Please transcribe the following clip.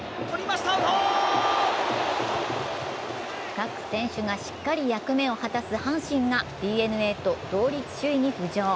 各選手が、しっかり役目を果たす阪神がＤｅＮＡと同率首位に浮上。